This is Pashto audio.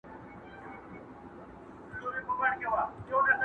• زه خو پر ځان خپله سایه ستایمه,